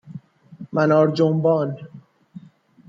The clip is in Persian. منار جنبان